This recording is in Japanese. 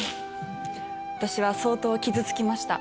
私は相当傷つきました。